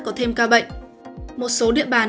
có thêm ca bệnh một số địa bàn